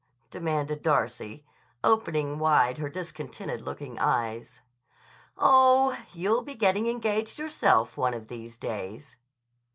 demanded Darcy, opening wide her discontented looking eyes. "Oh, you'll be getting engaged yourself one of these days."